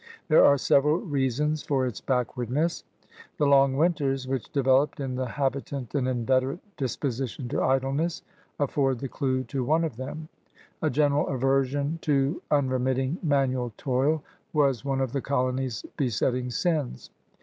There are several reasons for its backwardness. The long winters, which devel<4>ed in the habitant an inveterate disposition to idleness, afford the due to one of them. A general aversion to un remitting manual toil was one of the colony's besetting sins.